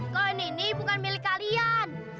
koin ini bukan milik kalian